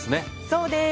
そうです。